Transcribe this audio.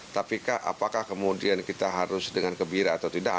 tapi apakah kemudian kita harus dengan kebiri atau tidak